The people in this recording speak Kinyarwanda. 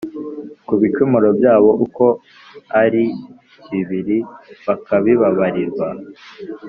ku bicumuro byabo uko ari bibiri bakabibabarirwa